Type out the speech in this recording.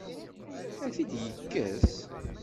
Ad t-id-yekkes?